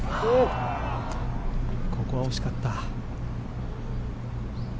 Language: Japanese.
ここは惜しかった。